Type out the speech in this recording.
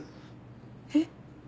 えっ？